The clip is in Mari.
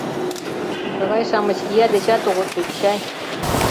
Тыгай-шамыч ия дечат огыт лӱд чай».